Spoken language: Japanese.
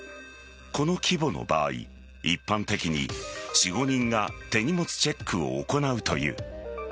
この規模の場合、一般的に４５人が手荷物チェックを行うという。